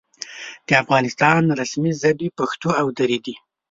د افغانستان رسمي ژبې پښتو او دري دي.